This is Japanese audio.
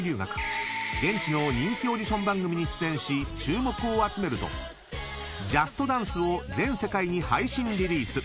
［現地の人気オーディション番組に出演し注目を集めると『ＪＵＳＴＤＡＮＣＥ！』を全世界に配信リリース］